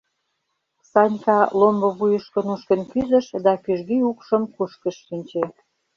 Санька ломбо вуйышко нушкын кӱзыш да кӱжгӱ укшым кушкыж шинче.